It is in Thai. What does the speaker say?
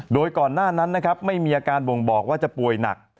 โดยก่อนหน้านั้นนะครับไม่มีอาการบ่งบอกว่าจะป่วยหนัก